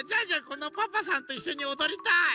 このパパさんといっしょにおどりたい！